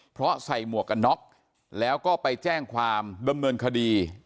เพราะใส่หมวกกันน็อกแล้วก็ไปแจ้งความดำเนินคดี